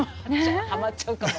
はまっちゃうかも。